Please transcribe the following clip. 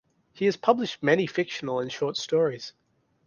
He has published many fictional and short stories.